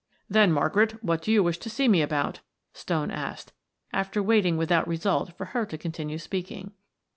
"Then, Margaret, what do you wish to see me about?" Stone asked, after waiting without result for her to continue speaking.